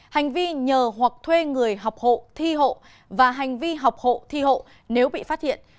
hành vi nhờ hoặc thuê người học hộ thi hộ và hành vi học hộ thi hộ nếu bị phát hiện